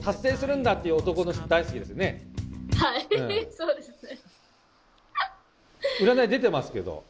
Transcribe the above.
そうですね。